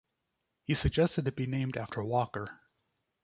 He suggested it be named after Walker.